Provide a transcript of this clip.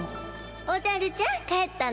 おじゃるちゃん帰ったの？